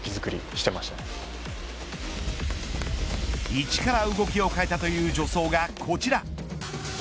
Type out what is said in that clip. １から動きを変えたという助走がこちら。